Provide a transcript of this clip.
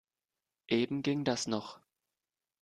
Eben ging das noch.